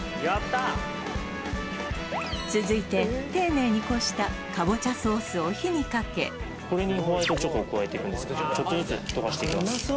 続いて丁寧にこしたこれにホワイトチョコを加えていくんですけどちょっとずつ溶かしていきます